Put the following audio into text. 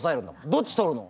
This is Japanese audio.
どっち取るの？